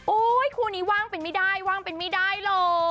คู่นี้ว่างเป็นไม่ได้ว่างเป็นไม่ได้หรอก